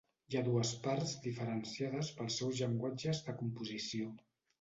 Hi ha dues parts diferenciades pels seus llenguatges de composició.